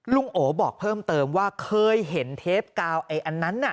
โอบอกเพิ่มเติมว่าเคยเห็นเทปกาวไอ้อันนั้นน่ะ